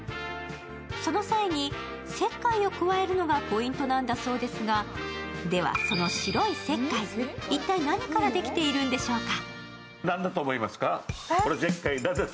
その際に石灰を加えるのがポイントなんだそうですがではその白い石灰、一体、何からできているんでしょうか。